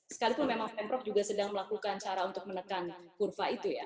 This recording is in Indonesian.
sekalipun memang pemprov juga sedang melakukan cara untuk menekan kurva itu ya